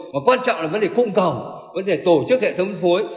và quan trọng là vấn đề cung cầu vấn đề tổ chức hệ thống phối